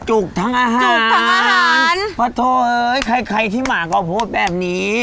ทั้งอาหารจุกทั้งอาหารปะโถเอ้ยใครใครที่มาก็พูดแบบนี้